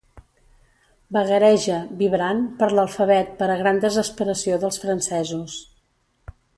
Vagareja, vibrant, per l'alfabet per a gran desesperació dels francesos.